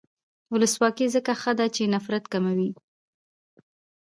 ولسواکي ځکه ښه ده چې نفرت کموي.